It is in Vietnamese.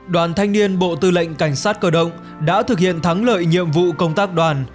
đoàn thanh niên bộ tư lệnh cảnh sát cơ động đã thực hiện thắng lợi nhiệm vụ công tác đoàn